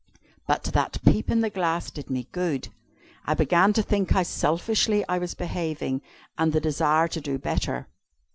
But that peep in the glass did me good. I began to think how selfishly I was behaving, and to desire to do better.